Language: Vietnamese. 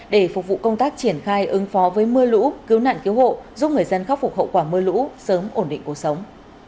để phục vụ công tác triển khai ứng phó với mưa lũ cứu nạn cứu hộ giúp người dân khắc phục hậu quả mưa lũ sớm ổn định cuộc sống